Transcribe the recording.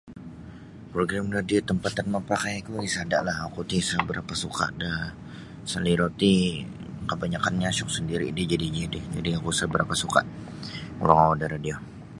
Progrim radio tampatan mapakaiku isada'lah oku ti sa barapa' suka' da pasal iro ti kabanyakannyo siyok sandiri' diji-diji ti jadi' oku sa' barapa' suka' morongou da radio.